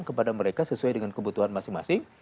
kepada mereka sesuai dengan kebutuhan masing masing